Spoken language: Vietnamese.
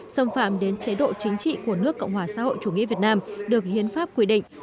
xâm phạm đến chế độ chính trị của nước cộng hòa xã hội chủ nghĩa việt nam được hiến pháp quy định